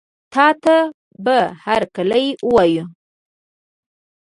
تاته به هرکلی ووایو.